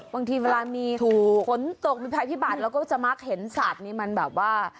บางทีเวลามีฝนตกมีภัยพิบัตรเราก็จะมักเห็นสัตว์นี้มันแบบว่า